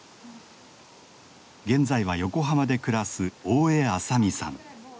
現在は横浜で暮らす大江麻美さん。